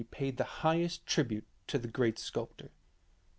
paid the highest tribute to the great sculptor.